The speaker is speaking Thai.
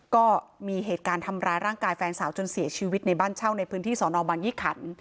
ก็มีเหตุการณ์ทำร้ายร่างกายแฟนสาวจนเสียชีวิตในบ้านเช่าในพื้นที่สอนอบางยี่ขัน